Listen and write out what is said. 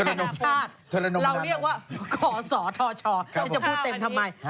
เราเรียกว่าอยากจะพูดเต็มทำไม